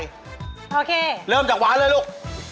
แล้วเริ่มจากวาดฤทธิ์เลยลูก